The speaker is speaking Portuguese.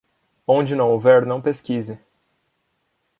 Onde não houver, não pesquise.